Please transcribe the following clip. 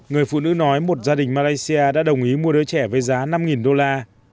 người phụ nữ nói một gia đình malaysia đã đồng ý mua đứa trẻ với giá năm đô la